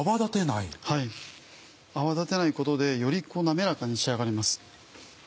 泡立てないことでより滑らかに仕上がります。